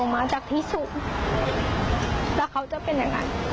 ตกลงมาจากที่สุดแล้วเขาจะเป็นยังไง